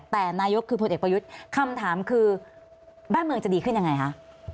แต่นายกคือพลเอกประยุทธ์คำถามคือบ้านเมืองจะดีขึ้นยังไงคะ